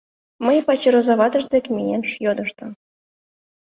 Мый пачер оза ватыж дек миен йодыштым.